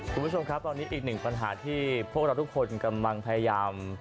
คุณผู้ชมครับตอนนี้อีกหนึ่งปัญหาที่พวกเราทุกคนกำลังพยายาม